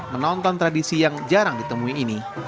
menonton tradisi yang jarang ditemui ini